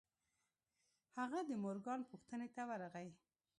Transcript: هغه د مورګان پوښتنې ته ورغی.